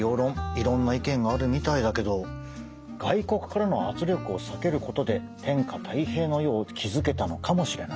いろんな意見があるみたいだけど外国からの圧力を避けることで天下泰平の世を築けたのかもしれないね。